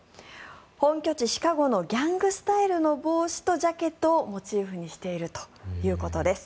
本拠地シカゴのギャングスタイルの帽子とジャケットをモチーフにしているということです。